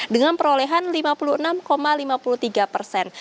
dengan perolehan lima puluh enam lima puluh tiga persen